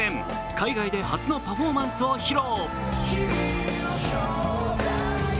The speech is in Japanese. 海外で初のパフォーマンスを披露。